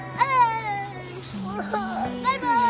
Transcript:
バイバーイ！